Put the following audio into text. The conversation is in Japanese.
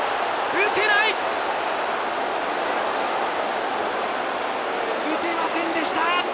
打てませんでした！